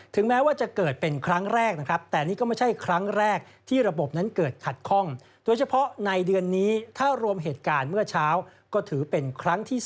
ถึงแม้ว่าจะเกิดเป็นครั้งแรกแต่นี่ก็ไม่ใช่ครั้งแรกที่ระบบนั้นเกิดขัดข้อง